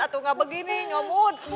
atau gak begini nyomut